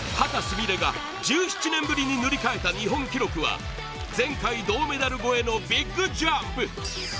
美鈴が１７年ぶりに塗り替えた日本記録は前回銅メダル超えのビッグジャンプ！